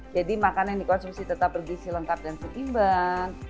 jadi makanan yang dikonsumsi tetap bergisi lengkap dan seimbang